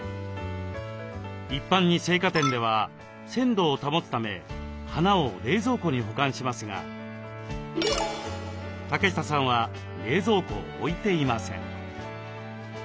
一般に生花店では鮮度を保つため花を冷蔵庫に保管しますが竹下さんは冷蔵庫を置いていません。